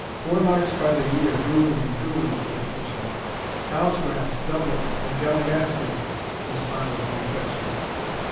"Four marks by the year, duly and truly," said the Kitchener. "Cow's grass, doublet, and galligaskins," responded the Refectioner.